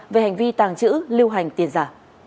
về hành vi tàng chữ lưu hành tiền giả